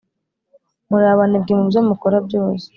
Muri abanebwe mu byo mukora byose